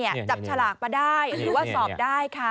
จับฉลากมาได้หรือว่าสอบได้ค่ะ